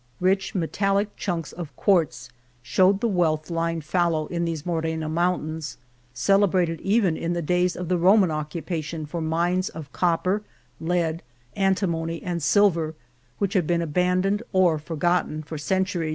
Rich, metallic chunks of quartz showed the wealth lying fallow in these Morena Mountains, celebrated even in the days of the Roman occupation for mines of copper, lead, antimony, and silver which have been abandoned or forgotten for centuries.